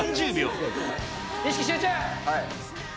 イ意識集中。